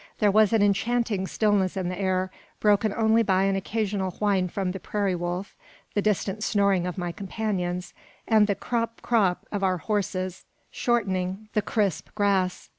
There was an enchanting stillness in the air, broken only by an occasional whine from the prairie wolf, the distant snoring of my companions, and the "crop, crop" of our horses shortening the crisp grass.